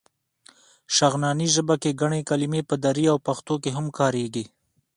شغناني ژبه کې ګڼې کلمې په دري او پښتو کې هم کارېږي.